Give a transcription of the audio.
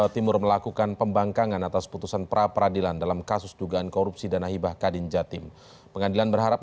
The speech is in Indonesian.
tetaplah bersama kami